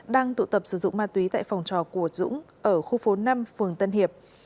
đang tụ tập sử dụng ma túy tại phòng trò của dũng ở khu phố năm phường tân hiệp